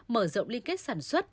mở rộng liên kết sản xuất